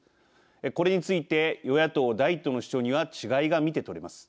これについて与野党第一党の主張には違いが見てとれます。